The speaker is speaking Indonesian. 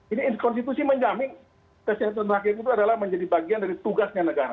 ini konstitusi menjamin kesehatan rakyat itu adalah menjadi bagian dari tugasnya negara